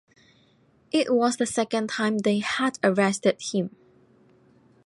It was the second time they had arrested him.